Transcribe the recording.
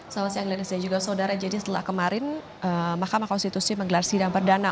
selamat siang lenis dan juga saudara jadi setelah kemarin mahkamah konstitusi menggelar sidang perdana